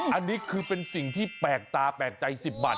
อันนี้คือเป็นสิ่งที่แปลกตาแปลกใจ๑๐บาท